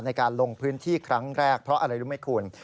ในการลงพื้นที่ครั้งแรกเพราะอะไรรู้ไหมคุณ